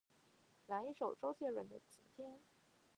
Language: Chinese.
来一首周杰伦的晴天